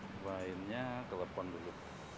nyobainnya kelepon dulu